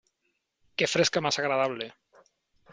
Qué fresca más agradable.